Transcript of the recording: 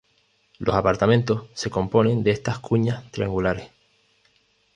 Los apartamentos se componen de estas cuñas triangulares.